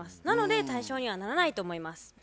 なので対象にはならないと思います。